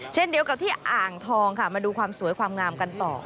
เช่นเดียวกับที่อ่างทองค่ะมาดูความสวยความงามกันต่อ